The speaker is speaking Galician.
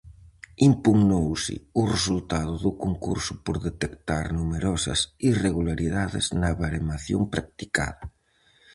Impugnouse o resultado do concurso por detectar numerosas irregularidades na baremación practicada.